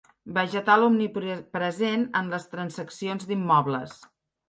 Vegetal omnipresent en les transaccions d'immobles.